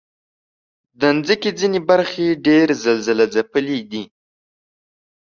د مځکې ځینې برخې ډېر زلزلهځپلي دي.